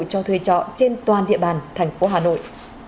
cho thuê trọ trên toàn địa bàn thành phố hà nội